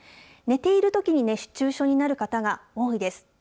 寝ているときに熱中症になる方が多いです。